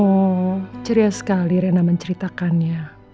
oh ceria sekali rena menceritakannya